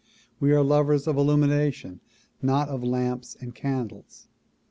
AVe are lovers of illumination and not of lamps and candles.